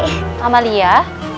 lama liat ya bapak juki